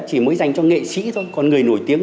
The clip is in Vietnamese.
chỉ mới dành cho nghệ sĩ thôi còn người nổi tiếng